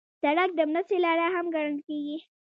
سړک د مرستې لاره هم ګڼل کېږي.